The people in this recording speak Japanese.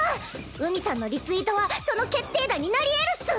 海さんのリツイートはその決定打になりえるっス！